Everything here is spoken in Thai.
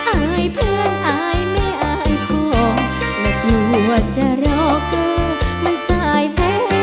อายเพื่อนอายแม่อายพ่อหวัดหัวจะรอเกินมันสายพ่อ